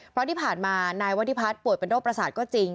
เพราะที่ผ่านมานายวัฒิพัฒน์ป่วยเป็นโรคประสาทก็จริง